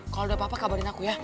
kalau udah apa apa kabarin aku ya